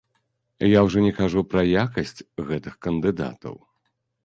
Я ўжо не кажу пра якасць гэтых кандыдатаў.